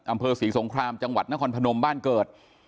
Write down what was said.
อำเภอศรีสงครามจังหวัดนครพนมบ้านเกิด